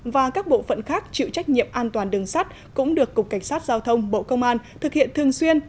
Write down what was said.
và các bộ phận khác chịu trách nhiệm an toàn đường sắt cũng được cục cảnh sát giao thông bộ công an thực hiện thường xuyên